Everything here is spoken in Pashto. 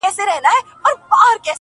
دا خپله وم.